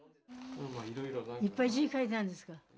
いっぱい字書いてあるんですか。